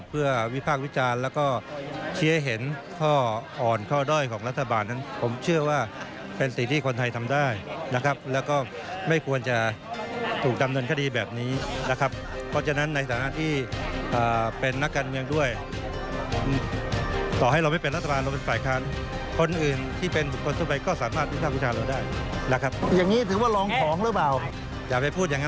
เป็นการหยุดเพื่อไม่ให้มีการวิภาควิจารณ์